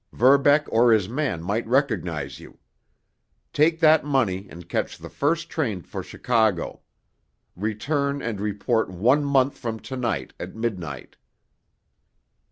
Verbeck or his man might recognize you. Take that money and catch the first train for Chicago. Return and report one month from to night at midnight."